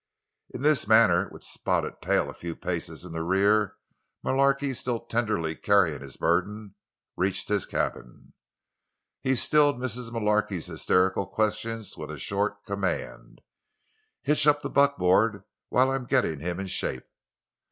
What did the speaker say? In this manner, with Spotted Tail a few paces in his rear, Mullarky, still tenderly carrying his burden, reached his cabin. He stilled Mrs. Mullarky's hysterical questions with a short command: "Hitch up the buckboard while I'm gettin' him in shape!"